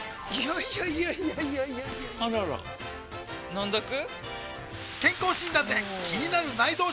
いやいやいやいやあらら飲んどく？